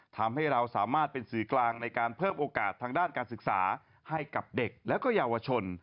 ทำให้เราสามารถเป็นสื่อกลางในการเพิ่มโอกาสทางด้านการศึกษาให้กับเด็กและก็เยาวชน